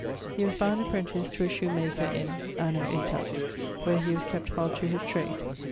He was bound apprentice to a shoe maker in ..., anno aetat....; where he was kept hard to his trade.